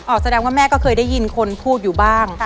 แสดงว่าแม่ก็เคยได้ยินคนพูดอยู่บ้าง